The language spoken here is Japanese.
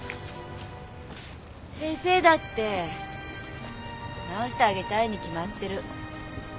先生だって治してあげたいに決まってる。